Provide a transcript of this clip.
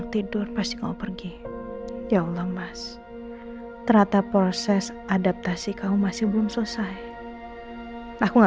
terima kasih banyak